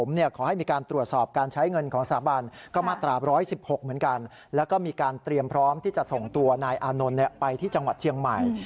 นายอนนนไปที่จังหวัดเชียงใหม่